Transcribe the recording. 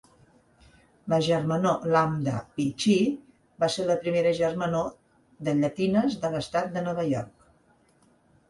La germanor Lambda Pi Chi va ser la primera germanor de llatines de l'estat de Nova York.